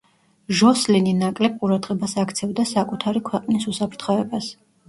ჟოსლინი ნაკლებ ყურადღებას აქცევდა საკუთარი ქვეყნის უსაფრთხოებას.